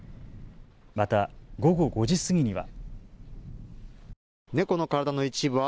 また午後５時過ぎには。